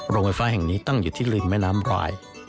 โรงไฟฟ้าแห่งนี้ตั้งอยู่ที่ริมแม่น้ำราย